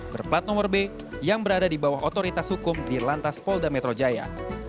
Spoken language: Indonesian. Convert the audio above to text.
berplat nomor b yang berada di bawah otoritas hukum di lantas polda metro jaya